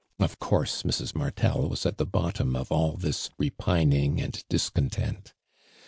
Of course Mrs. Martel was at the bottom of all this repining and discontent.